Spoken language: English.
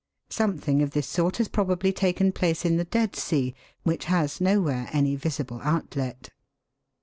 Something of this sort has probably taken place in the Dead Sea, which has nowhere any visible outlet.